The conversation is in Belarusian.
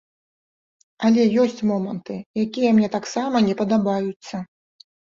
Але ёсць моманты, якія мне таксама не падабаюцца.